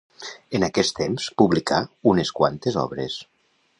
En aquests temps publicà unes quantes obres.